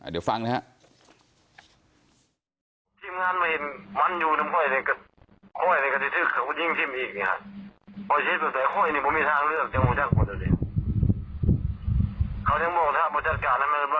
เดี๋ยวฟังนะครับ